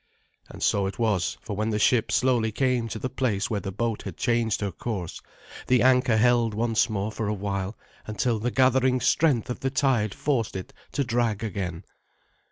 And so it was, for when the ship slowly came to the place where the boat had changed her course, the anchor held once more for a while until the gathering strength of the tide forced it to drag again.